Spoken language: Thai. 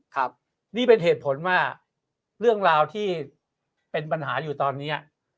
ครับนี่เป็นเหตุผลว่าเรื่องราวที่เป็นปัญหาอยู่ตอนนี้